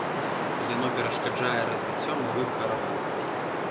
Яно перашкаджае развіццё малых гарадоў.